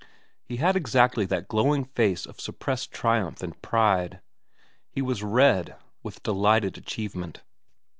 He had exactly 144 VERA xm that glowing face of suppressed triumph and pride ; he was red with delighted achievement.